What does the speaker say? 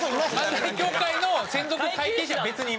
漫才協会の専属会計士は別にいます。